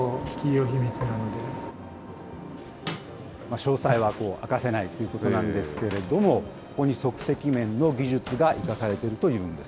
詳細は明かせないということなんですけれども、ここに即席麺の技術が生かされているというんです。